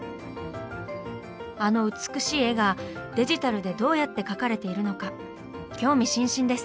あの美しい絵がデジタルでどうやって描かれているのか興味津々です。